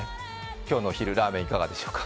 今日の昼、ラーメンいかがでしょうか。